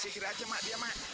sihir saja mak dia mak